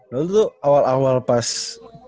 nah itu tuh awal awal pas pas like sih lu